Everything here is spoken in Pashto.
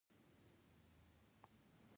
نو تاسې هیڅکله شمال ته نه یاست تللي